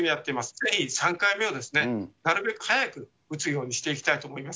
ぜひ３回目をなるべく早く打つようにしていきたいと思います。